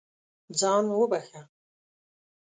ځان وبښه.